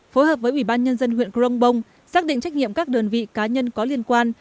phối hợp với ủy ban nhân dân huyện crong bông xác định trách nhiệm các đơn vị cá nhân có liên quan